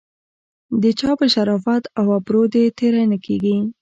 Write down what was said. د چا په شرافت او ابرو دې تېری نه کیږي.